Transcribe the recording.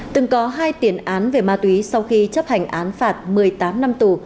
từng có hai tiền án về ma túy sau khi chấp hành án phạt một mươi tám năm tù